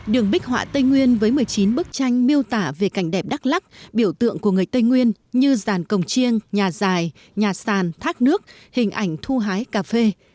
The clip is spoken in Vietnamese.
đường bích họa tây nguyên với một mươi chín bức tranh miêu tả về cảnh đẹp đắk lắc biểu tượng của người tây nguyên như giàn cổng chiêng nhà dài nhà sàn thác nước hình ảnh thu hái cà phê